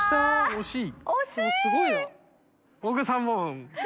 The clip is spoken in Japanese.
惜しい。